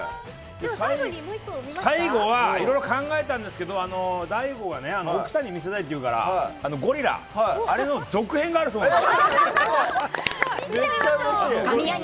最後は、いろいろ考えたんですけどＤＡＩＧＯがね、奥さんに見せたいっていうからゴリラあれの続編があるそうなんです。